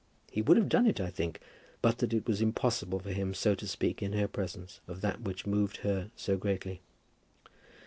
He would have done it, I think, but that it was impossible for him so to speak in her presence of that which moved her so greatly.